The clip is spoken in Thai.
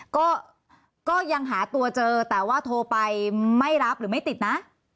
ก็ยังหาตัวเจอแต่ว่าโทรไปไม่รับหรือไม่ติดนะ